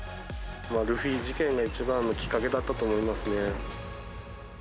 ルフィ事件が一番のきっかけだったと思いますね。